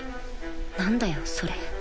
何だよそれ